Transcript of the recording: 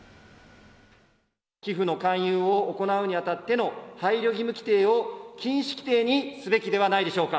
寄付の勧誘を行うにあたっての配慮義務規定を禁止規定にすべきではないでしょうか。